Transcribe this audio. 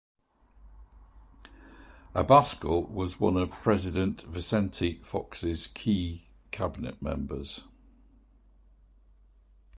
Abascal was one of President Vicente Fox's key cabinet members.